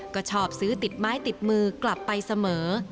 ก็ชอบซื้อติดไม้ติดมือกลับไปเสมอ